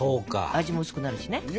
味も薄くなるしね。